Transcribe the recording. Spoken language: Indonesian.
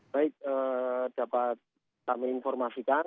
baik dapat kami informasikan